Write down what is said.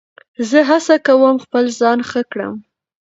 زه هڅه کوم خپل ځان ښه کړم.